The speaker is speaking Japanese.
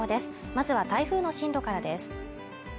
まずは台風の進路からです